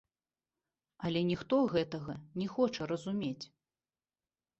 Але ніхто гэтага не хоча разумець.